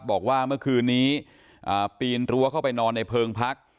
บอกว่าเมื่อคืนนี้ปีนรั้วเข้าไปนอนในเพลิงพัก